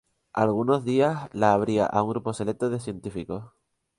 Algunos días la abría a un grupo selecto de científicos.